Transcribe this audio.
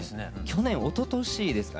去年おととしですかね